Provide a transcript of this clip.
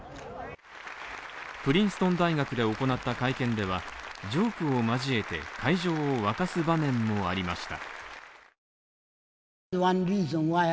プリンストン大学で行った会見では、ジョークを交えて会場を沸かす場面もありました。